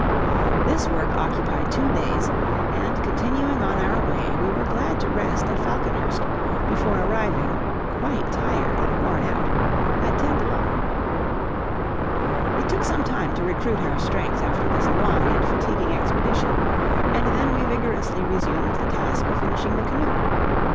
This work occupied two days, and continuing on our way, we were glad to rest at Falconhurst before arriving (quite tired and worn out) at Tentholm. It took some time to recruit our strength after this long and fatiguing expedition, and then we vigorously resumed the task of finishing the canoe.